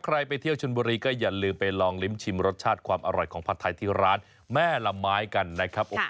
ไปเที่ยวชนบุรีก็อย่าลืมไปลองลิ้มชิมรสชาติความอร่อยของผัดไทยที่ร้านแม่ละไม้กันนะครับ